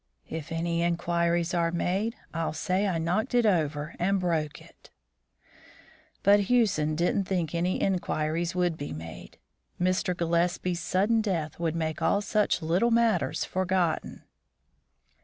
"If any inquiries are made, I'll say I knocked it over and broke it." But Hewson didn't think any inquiries would be made. Mr. Gillespie's sudden death would make all such little matters forgotten.